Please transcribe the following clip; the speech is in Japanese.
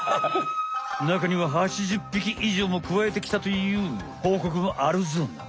中には８０匹以上もくわえてきたというほうこくもあるぞな。